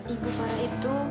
ibu farah itu